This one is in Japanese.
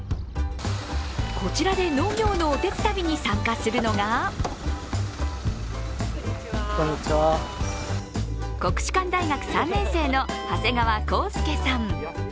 こちらで農業のおてつたびに参加するのが国士舘大学３年生の長谷川幸佑さん。